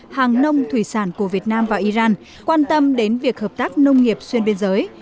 hàng nông thủy sản của việt nam vào iran quan tâm đến việc hợp tác nông nghiệp xuyên biên giới